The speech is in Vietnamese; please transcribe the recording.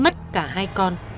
mất cả hai con